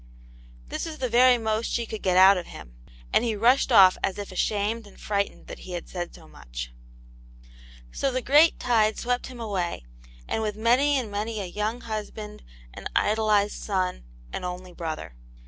This was Xh^ very most she co\AA ^^>c o\\\. oC him, Aunt Jane's Hero. 37 and he rushed off as if ashamed and frightened that he had said so much. So the great tide swept him away, and with him many and many a young husband, an idolized son, an only brother.